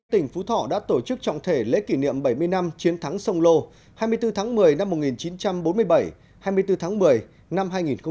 tỉnh phú thọ đã tổ chức trọng thể lễ kỷ niệm bảy mươi năm chiến thắng sông lô hai mươi bốn tháng một mươi năm một nghìn chín trăm bốn mươi bảy hai mươi bốn tháng một mươi năm hai nghìn một mươi chín